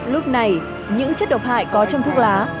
lúc này những chất độc hại có trong thuốc lá